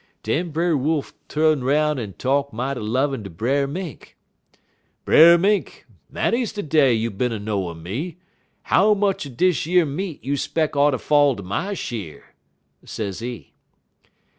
"Den Brer Wolf tu'n 'roun' en talk mighty lovin' ter Brer Mink: "'Brer Mink, many's de day you bin a knowin' me; how much er dish yer meat you 'speck oughter fall ter my sheer?' sezee.